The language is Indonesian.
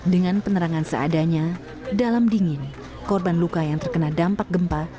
dengan penerangan seadanya dalam dingin korban luka yang terkena dampak gempa